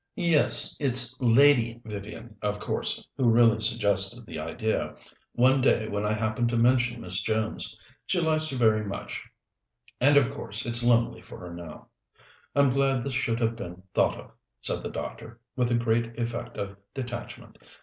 "Yes. It's Lady Vivian, of course, who really suggested the idea, one day when I happened to mention Miss Jones. She likes her very much, and, of course, it's lonely for her now. I'm glad this should have been thought of," said the doctor, with a great effect of detachment.